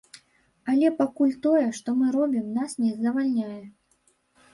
Але пакуль тое, што мы робім, нас не задавальняе.